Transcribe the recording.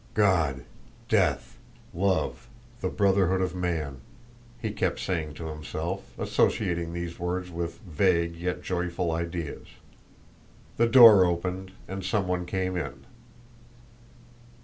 "God, death, love, the brotherhood of man," he kept saying to himself, associating these words with vague yet joyful ideas. The door opened and someone came in.